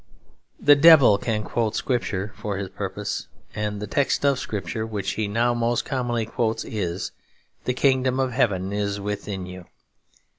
The devil can quote Scripture for his purpose; and the text of Scripture which he now most commonly quotes is, 'The kingdom of heaven is within you.'